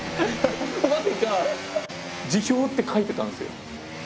なぜか「辞表」って書いてたんですよ。